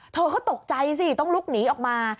เธอก็ตกใจสิต้องลุกหนีออกมา